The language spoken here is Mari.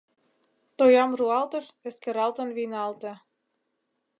Тоям руалтыш, эскералтын вийналте.